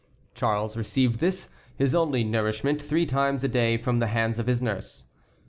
Charles received this, his only nourishment, three times a day from the hands of his nurse.